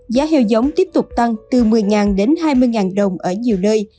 giá heo giống tiếp tục tăng từ một mươi đến hai mươi đồng ở nhiều nơi